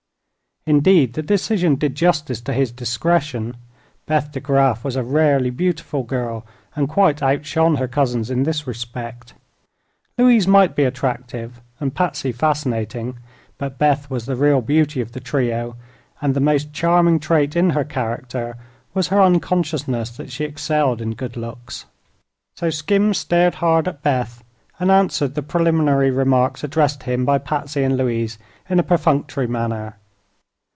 Indeed, the decision did justice to his discretion. Beth De Graf was a rarely beautiful girl and quite outshone her cousins in this respect. Louise might be attractive and Patsy fascinating; but Beth was the real beauty of the trio, and the most charming trait in her character was her unconsciousness that she excelled in good looks. So Skim stared hard at Beth, and answered the preliminary remarks addressed to him by Patsy and Louise in a perfunctory manner.